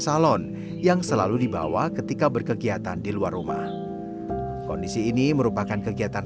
salon yang selalu dibawa ketika berkegiatan di luar rumah kondisi ini merupakan kegiatan